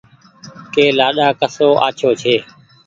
ڪه لآڏآ ڪسو آڇو ڇي